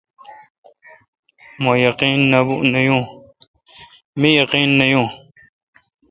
مہ یقین نہ یون۔